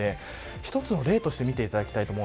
一つの例として見ていきます。